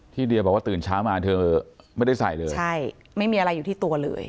เดียบอกว่าตื่นเช้ามาเธอไม่ได้ใส่เลยใช่ไม่มีอะไรอยู่ที่ตัวเลย